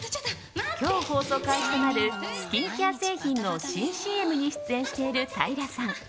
今日放送開始となるスキンケア製品の新ＣＭに出演している平さん。